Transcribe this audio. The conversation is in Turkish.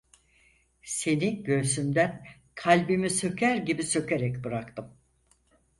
Seni göğsümden kalbimi söker gibi sökerek bıraktım…